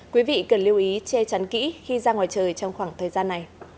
quý vị cần lưu ý che chắn kỹ khi ra ngoài trời trong khoảng thời gian này